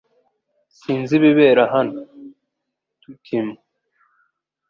Sinzi ibibera hano .(Tutim)